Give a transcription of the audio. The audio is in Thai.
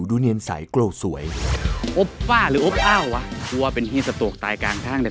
หลีกบางส่วนชะบันดเรือุขแห่งมะฟักและผลไม้สะกัด